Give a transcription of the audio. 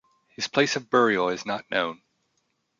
His place of burial is not known.